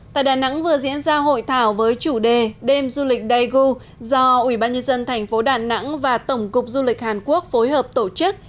tại đà nẵng vừa diễn ra hội thảo với chủ đề đêm du lịch daegu do ủy ban nhân dân thành phố đà nẵng và tổng cục du lịch hàn quốc phối hợp tổ chức